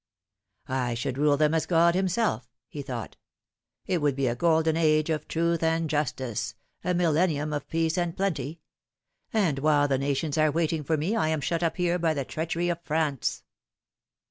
" I should rule them as God Himself," he thought. " It would be a golden age of truth and justice a millennium of peace and plenty. And while the nations are waiting for me I am shut up here by the treachery of France."